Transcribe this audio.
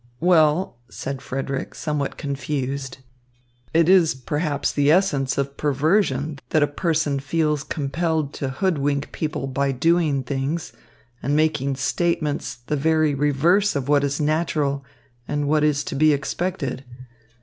"Well," said Frederick, somewhat confused, "it is perhaps the essence of perversion that a person feels compelled to hoodwink people by doing things and making statements the very reverse of what is natural and what is to be expected.